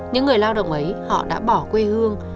những người lao động ấy họ đã bỏ quê hương